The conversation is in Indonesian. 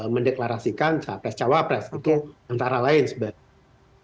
mendeklarasikan saat pres cawa pres itu antara lain sebenarnya